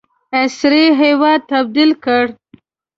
عصري هیواد تبدیل کړ.